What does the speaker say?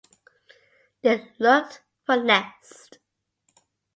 They looked for nests.